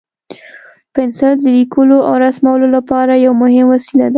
پنسل د لیکلو او رسمولو لپاره یو مهم وسیله ده.